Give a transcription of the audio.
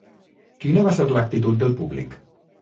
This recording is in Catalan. Quina va ser l'actitud del públic?